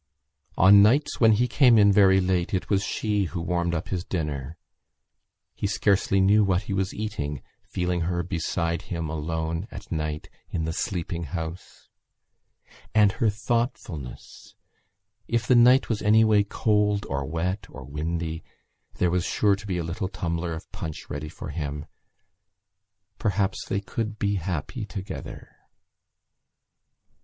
On nights when he came in very late it was she who warmed up his dinner. He scarcely knew what he was eating, feeling her beside him alone, at night, in the sleeping house. And her thoughtfulness! If the night was anyway cold or wet or windy there was sure to be a little tumbler of punch ready for him. Perhaps they could be happy together....